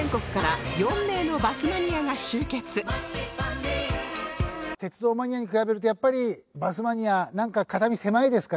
以上鉄道マニアに比べるとやっぱりバスマニアなんか肩身狭いですか？